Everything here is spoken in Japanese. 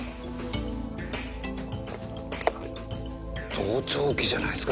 盗聴器じゃないですか？